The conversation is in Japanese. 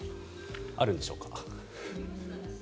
あるんでしょうか。